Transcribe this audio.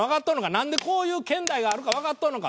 なんでこういう見台があるかわかっとんのか？